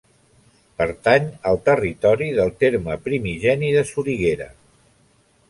Pertany al territori del terme primigeni de Soriguera.